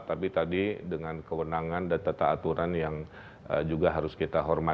tapi tadi dengan kewenangan dan tata aturan yang juga harus kita hormati